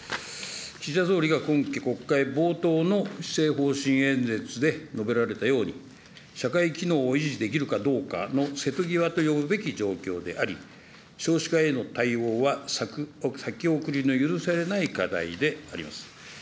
岸田総理が今期国会冒頭の施政方針演説で述べられたように、社会機能を維持できるかどうかの瀬戸際と呼ぶべき状況であり、少子化への対応は先送りの許されない課題であります。